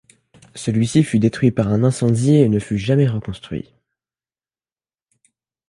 Celui-ci fut détruit par un incendie et ne fut jamais reconstruit.